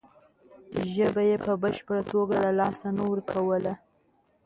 ژبه یې په بشپړه توګه له لاسه نه ورکوله.